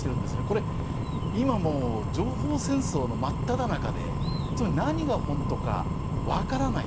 これ、今はもう情報戦争の真っただ中で何が本当かわからない。